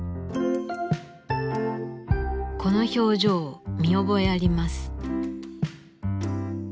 この表情見覚えあります。